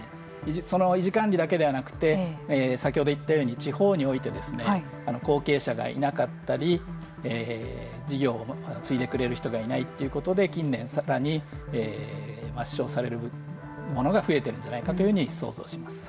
その維持管理だけではなくて先ほど言ったように地方においてですね後継者がいなかったり事業を継いでくれる人がいないということで近年、さらに抹消されるものが増えているんじゃないかというふうに想像します。